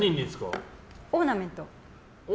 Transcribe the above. オーナメント。